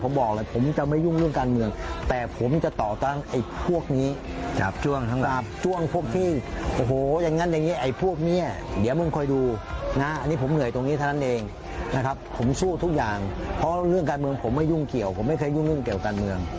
เพราะเรื่องการเมืองผมไม่ยุ่งเกี่ยวผมไม่เคยยุ่งเรื่องเกี่ยวกับการเมือง